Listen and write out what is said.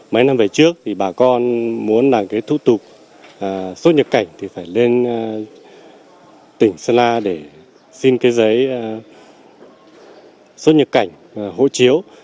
mấy năm về trước thì bà con muốn làm cái thủ tục xuất nhập cảnh thì phải lên tỉnh sơn la để xin cái giấy xuất nhập cảnh hộ chiếu